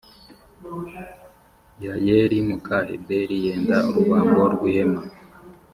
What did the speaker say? Yayeli muka heberi yenda urubambo rw ihema